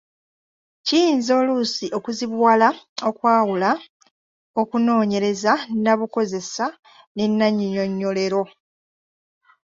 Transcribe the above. Kiyinza oluusi okuzibuwala okwawula okunoonyereza nnabukozesa ne nnannyinyonnyolero.